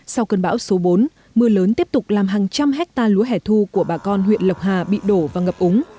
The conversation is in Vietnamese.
sau cơn bão số bốn mưa lớn tiếp tục làm hàng trăm hectare lúa hẻ thu của bà con huyện lộc hà bị đổ và ngập úng